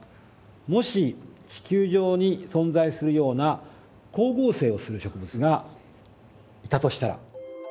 もし地球上に存在するような光合成をする植物がいたとしたら。